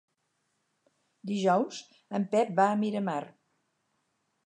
Dijous en Pep va a Miramar.